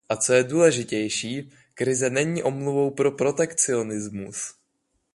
A co je ještě důležitější, krize není omluvou pro protekcionismus.